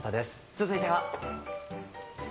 続いては。